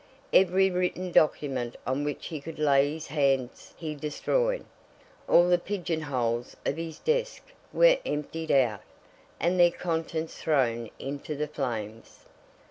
Every written document on which he could lay his hands he destroyed. All the pigeon holes of his desk were emptied out, and their contents thrown into the flames.